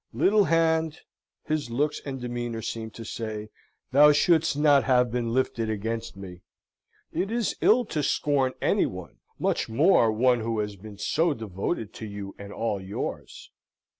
"Little hand!" his looks and demeanour seem to say, "thou shouldst not have been lifted against me! It is ill to scorn any one, much more one who has been so devoted to you and all yours.